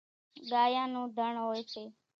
ڳايان نون ڌڻ هوئيَ سي۔